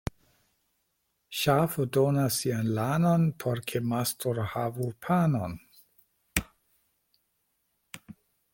Ŝafo donas sian lanon, por ke mastro havu panon.